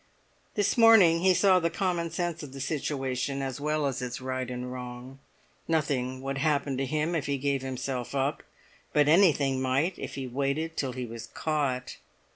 This morning he saw the common sense of the situation as well as its right and wrong. Nothing would happen to him if he gave himself up, but anything might if he waited till he was caught.